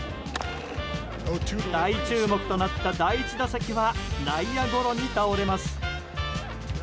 大注目となった第１打席は内野ゴロに倒れます。